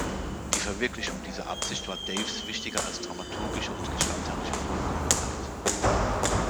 Die Verwirklichung dieser Absicht war Daves wichtiger als dramaturgische und gestalterische Vollkommenheit.